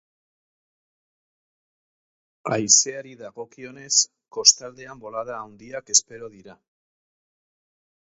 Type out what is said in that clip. Haizeari dagokionez, kostaldean bolada handiak espero dira.